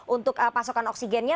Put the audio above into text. untuk pasokan oksigennya